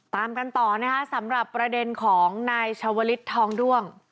ตามกันต่อนะคะสำหรับประเด็นของนายชาวลิศทองด้วง